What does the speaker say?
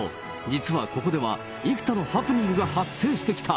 実はここでは、幾多のハプニングが発生してきた。